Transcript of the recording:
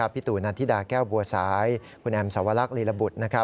พี่ตูนัทธิดาแก้วบัวสายคุณแอมสวรรคลีระบุธ